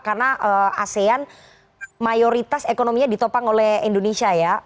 karena asean mayoritas ekonominya ditopang oleh indonesia ya